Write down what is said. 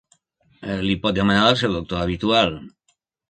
Li pot demanar al seu doctor habitual.